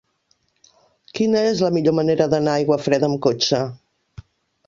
Quina és la millor manera d'anar a Aiguafreda amb cotxe?